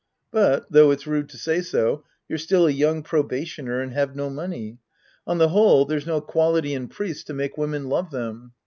But, though it's rude to say so, you're still a young probationer and have no money. On the whole, there's no quality in priests to make women love them.